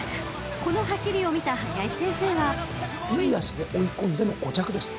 この走りを見た林先生は］いい脚で追い込んでの５着でした。